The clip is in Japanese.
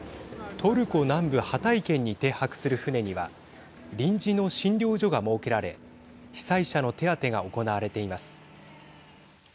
トルコ南部ハタイ県に停泊する船には臨時の診療所が設けられ被災者の手当てが行われています。